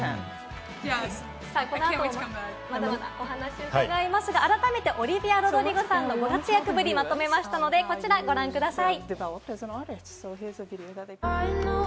この後、まだまだお話を伺いますが、改めてオリヴィア・ロドリゴさんのご活躍ぶりをまとめましたので、こちらをご覧ください。